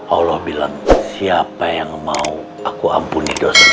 allah bilang siapa yang mau aku ampuni dosa dosa